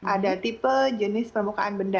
ada tipe jenis permukaan benda